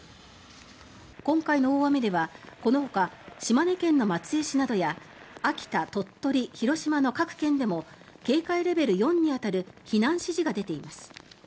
今回の大雨ではこのほか島根県の松江市や秋田、鳥取、広島の各県でも警戒レベル４に当たる避難指示が出ています。